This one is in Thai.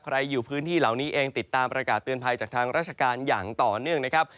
อยู่พื้นที่เหล่านี้เองติดตามประกาศเตือนภัยจากทางราชการอย่างต่อเนื่องนะครับ